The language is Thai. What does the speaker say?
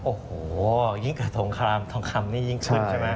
โอ้โหยิ่งเกิดสงครามทองคำนี่ยิ่งขึ้นใช่ไหม